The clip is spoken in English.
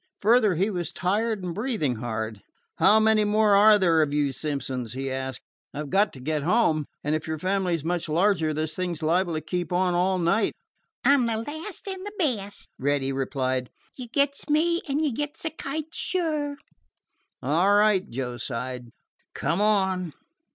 Further, he was tired, and breathing hard. "How many more are there of you Simpsons?" he asked. "I 've got to get home, and if your family 's much larger this thing is liable to keep on all night." "I 'm the last an' the best," Reddy replied. "You gits me an' you gits the kites. Sure." "All right," Joe sighed. "Come on."